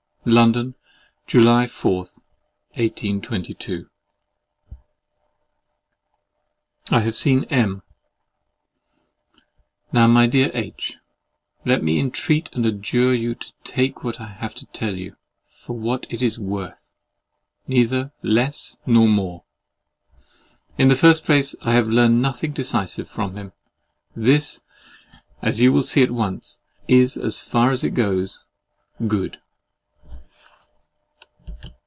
London, July 4th, 1822. I have seen M——! Now, my dear H——, let me entreat and adjure you to take what I have to tell you, FOR WHAT IT IS WORTH—neither for less, nor more. In the first place, I have learned nothing decisive from him. This, as you will at once see, is, as far as it goes, good.